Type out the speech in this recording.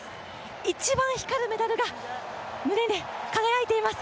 一番光るメダルが胸で輝いています。